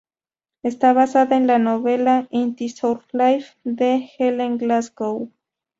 Está basada en la novela "In this our life", de Ellen Glasgow.